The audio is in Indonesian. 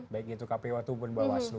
baik itu kpu tubuh dan bawaslu